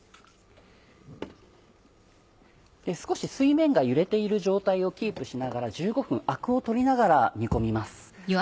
少し水面が揺れている状態をキープしながら１５分アクを取りながら煮込みます。